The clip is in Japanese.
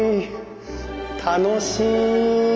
楽しい！